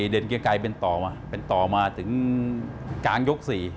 เด่นเกียงไกรเป็นต่อมาเป็นต่อมาถึงกลางยก๔